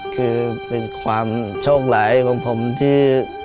คือเป็นความโชคไหลของผมที่